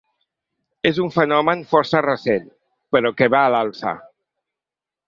És un fenomen força recent, però que va a l’alça.